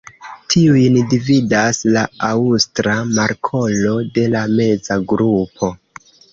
Tiujn dividas la Aŭstra markolo de la meza grupo.